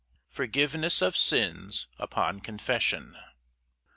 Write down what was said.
Forgiveness of sins upon confession.